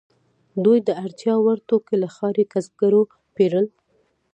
دوی د اړتیا وړ توکي له ښاري کسبګرو پیرل.